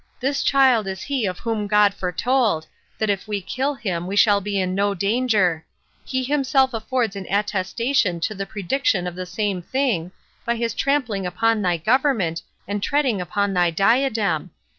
this child is he of whom God foretold, that if we kill him we shall be in no danger; he himself affords an attestation to the prediction of the same thing, by his trampling upon thy government, and treading upon thy diadem.